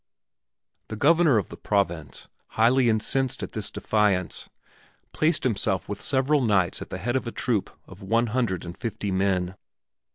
The Governor of the province, highly incensed at this defiance, placed himself with several knights at the head of a troop of one hundred and fifty men.